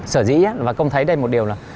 sở dĩ và công thấy đây một điều là